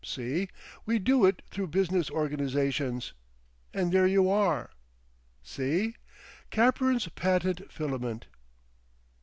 See? We'd do it through Business Organisations, and there you are! See? Capern's Patent Filament!